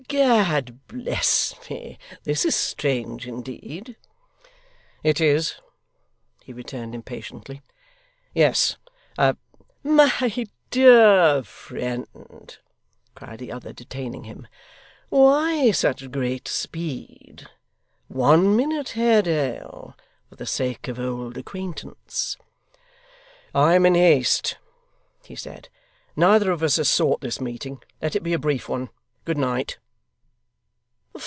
Gad bless me, this is strange indeed!' 'It is,' he returned impatiently; 'yes a ' 'My dear friend,' cried the other, detaining him, 'why such great speed? One minute, Haredale, for the sake of old acquaintance.' 'I am in haste,' he said. 'Neither of us has sought this meeting. Let it be a brief one. Good night!